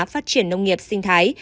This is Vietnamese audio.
phát triển nông nghiệp sinh thái